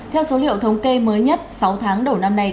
theo số liệu thống kê mới nhất sáu tháng đầu năm nay